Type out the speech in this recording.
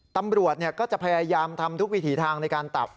ตำรวจก็จะพยายามทำทุกวิถีทางในการตับ